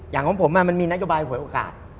อย่างของผมมันมีหนักโจบายหวยโอกาศ